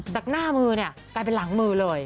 จากหน้ามือเนี่ยกลายเป็นหลังมือเลย